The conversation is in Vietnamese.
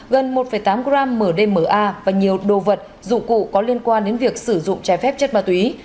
gần một tám gram mdma và nhiều đồ vật dụng cụ có liên quan đến việc sử dụng trái phép chất ma túy